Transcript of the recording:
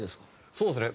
そうですね。